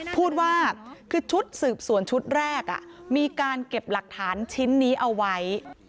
พูดว่าคือชุดสืบสวนชุดแรกมีการเก็บหลักฐานชิ้นนี้เอาไว้